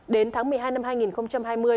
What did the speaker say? đến tháng một mươi hai năm hai nghìn hai mươi